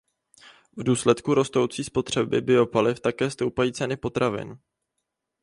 V důsledku rostoucí spotřeby biopaliv také stoupají ceny potravin.